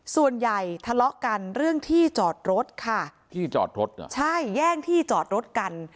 ส่วนใหญ่ทะเลาะกันเรื่องที่จอดรถค่ะที่จอดรถเหรอใช่แย่งที่จอดรถกัน